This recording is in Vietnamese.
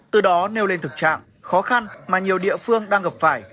từ đó nêu lên thực trạng khó khăn mà nhiều địa phương đang gặp phải